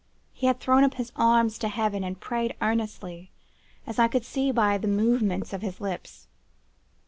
He had thrown up his arms to Heaven, and prayed earnestly, as I could see by the movement of his lips.